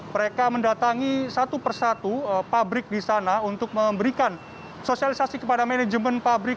mereka mendatangi satu persatu pabrik di sana untuk memberikan sosialisasi kepada manajemen pabrik